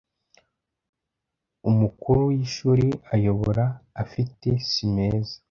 Umukuru y ishuri ayobora afite si meza